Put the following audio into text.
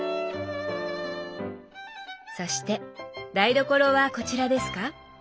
そして台所はこちらですか？